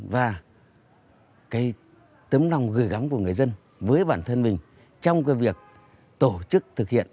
và cái tấm lòng gửi gắm của người dân với bản thân mình trong cái việc tổ chức thực hiện